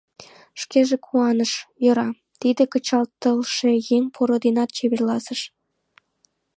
Шкеже куаныш — йӧра, тиде кычалтылше еҥ поро денак чеверласыш.